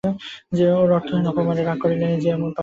ওর অর্থহীন অপমানে রাগ করিলে নিজে সে এমনি পাগলের দলে গিয়া পড়িবে।